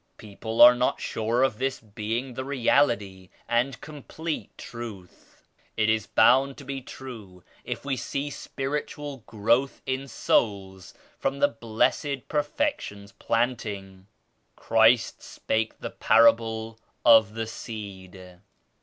People are not sure of this being the Reality and complete Truth. It is bound to be true if we see spiritual growth in souls from the Blessed Perfection's planting. Christ spake the parable of *the seed.'